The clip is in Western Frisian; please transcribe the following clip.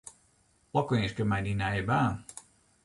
Lokwinske mei dyn nije baan.